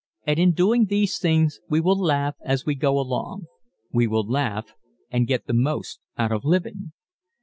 And in doing these things we will laugh as we go along we will laugh and get the most out of living.